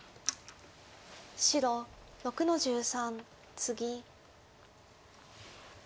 白６の十三ツギ。